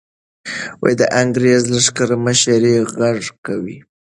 د انګریزي لښکر مشري غږ کوي.